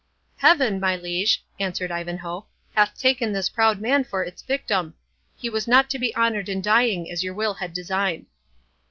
"Heaven, my Liege," answered Ivanhoe, "hath taken this proud man for its victim. He was not to be honoured in dying as your will had designed."